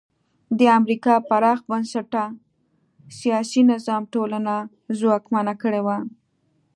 د امریکا پراخ بنسټه سیاسي نظام ټولنه ځواکمنه کړې وه.